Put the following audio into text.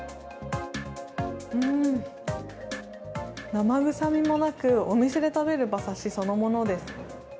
生臭みもなく、お店で食べる馬刺しそのものです。